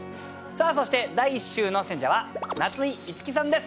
そして第１週の選者は夏井いつきさんです。